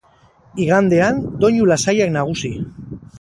Igandean, doinu lasaiak nagusi.